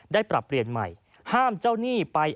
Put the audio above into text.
ปรับเปลี่ยนใหม่ห้ามเจ้าหนี้ไป